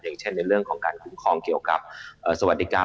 อย่างเช่นในเรื่องของการคุ้มครองเกี่ยวกับสวัสดิการ